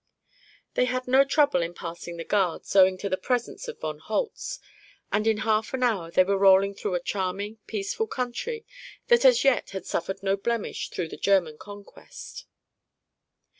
They had no trouble in passing the guards, owing to the presence of von Holtz, and in half an hour they were rolling through a charming, peaceful country that as yet had suffered no blemish through the German conquest.